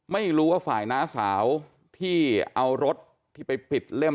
ไม่รู้ว่าฝ่ายน้าสาวที่เอารถที่ไปปิดเล่ม